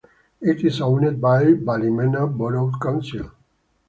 It is owned by Ballymena Borough Council.